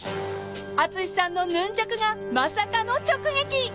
［淳さんのヌンチャクがまさかの直撃］